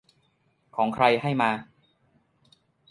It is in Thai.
ของ ใคร ให้มา